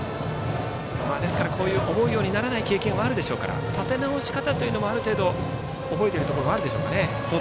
思うようにならない経験もあるでしょうから立て直し方もある程度覚えているところもあるでしょうか。